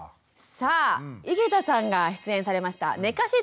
さあ井桁さんが出演されました「寝かしつけと夜泣き」。